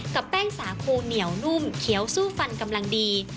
แป้งสาคูเหนียวนุ่มเขียวสู้ฟันกำลังดี